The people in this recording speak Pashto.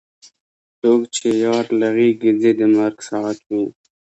څوک چې یار له غېږې ځي د مرګ ساعت وي.